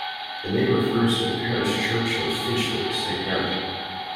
The name refers to the parish church of Finchley, Saint Mary.